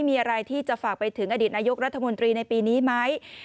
มีอะไรที่จะฝากไปถึงอดีตนายกรัฐมนตรีในปีนี้ไหม